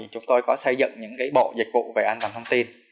chúng tôi có xây dựng những bộ dịch vụ về an toàn thông tin